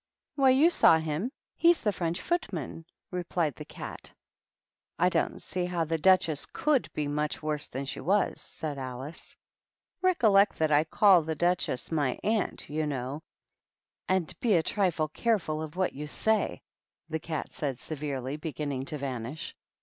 Why, you saw him, — he's the French footman," replied the Cat. " I don't see how the Duchess cmild be much worse than she was," said Alice. "Recollect that I call the Duchess my aunt, you know, and be a trifle careful of what you 124 THE EED QUEEN AKD THE DUCHESS. say," the Cat said, severely, beginning to vanish.